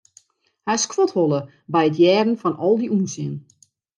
Hy skodholle by it hearren fan al dy ûnsin.